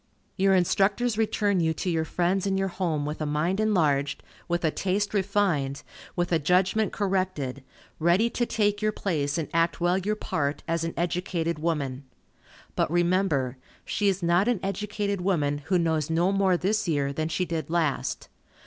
Your instructors return you to your friends and your home with a mind enlarged, with a taste refined, with a judgment corrected, ready to take your place and act well your part, as an educated woman. But remember, she is not an educated woman, who knows no more this year than she did last.